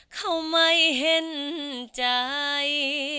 เขาไม่เห็นใจ